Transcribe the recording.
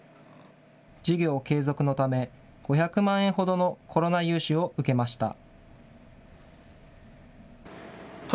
事業継続のため、５００万円ほどのコロナ融資を受けました。